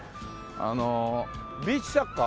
あのビーチサッカー？